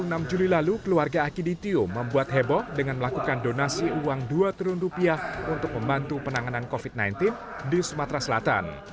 dua puluh enam juli lalu keluarga akidi tio membuat heboh dengan melakukan donasi uang dua triliun rupiah untuk membantu penanganan covid sembilan belas di sumatera selatan